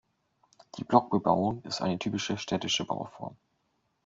Die Blockbebauung ist eine typisch städtische Bauform.